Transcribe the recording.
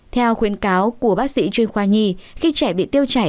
theo khuyến cáo của bác sĩ chuyên khoa nhi khi trẻ bị tiêu chảy